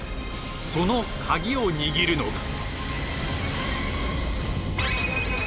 そのカギを握るのが。